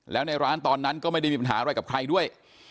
แล้วในร้านตอนนั้นก็ไม่ได้มีปัญหาอะไรกับใครด้วย